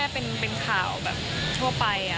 เป็นข่าวแบบทั่วไป